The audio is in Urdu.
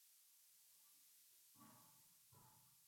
اورمستقبل میں ماضی کی غلطیوں کا اعادہ نہیں ہو گا۔